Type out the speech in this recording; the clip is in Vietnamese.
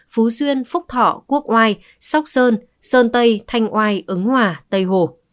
phú xuyên phúc thọ quốc oai sóc sơn sơn tây thanh oai ứng hòa tây hồ